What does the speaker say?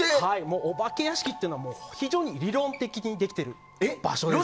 お化け屋敷というのは非常に理論的にできてる場所です。